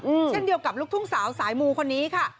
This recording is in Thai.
เช่นเดียวกับลูกทุ่งสาวสายมูคนนี้ค่ะ